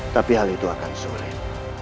tapi hal itu akan sulit